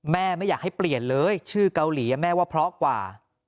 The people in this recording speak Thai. ไม่อยากให้เปลี่ยนเลยชื่อเกาหลีแม่ว่าเพราะกว่า